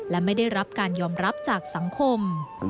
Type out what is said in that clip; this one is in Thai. และไม่ได้รับการยอมรับจากสังคม